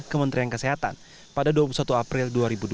kementerian kesehatan pada dua puluh satu april dua ribu dua puluh